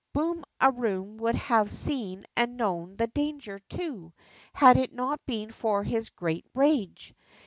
Boom a Boom would have seen and known the danger, too, had it not been for his great rage.